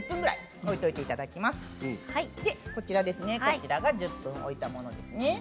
そして１０分置いたものですね。